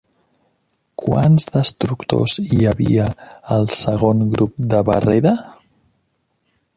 Quants destructors hi havia al Segon Grup de Barrera?